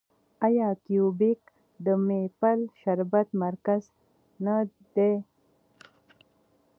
آیا کیوبیک د میپل شربت مرکز نه دی؟